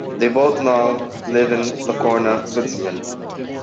They both now live in Locarno, Switzerland.